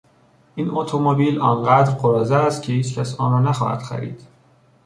این اتومبیل آنقدر قراضه است که هیچکس آن را نخواهد خرید.